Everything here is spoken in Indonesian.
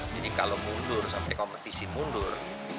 kalau mundur sampai kompetisi mundur